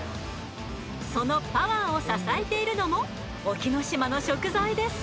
そのパワーを支えているのも隠岐の島の食材です。